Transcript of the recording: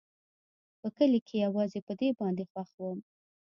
په کلي کښې يوازې په دې باندې خوښ وم.